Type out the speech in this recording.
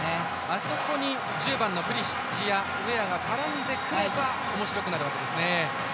あそこの１０番のプリシッチやウェアが絡んでくればおもしろくなるわけですね。